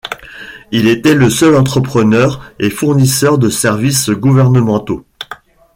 Il était le seul entrepreneur et fournisseur de services gouvernementaux.